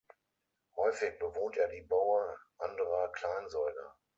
Häufig bewohnt er die Baue anderer Kleinsäuger.